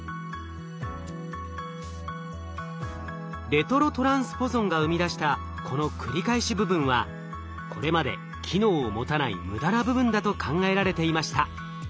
レトロトランスポゾンが生み出したこの繰り返し部分はこれまで機能を持たない無駄な部分だと考えられていました。